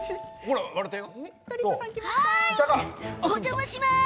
お邪魔します。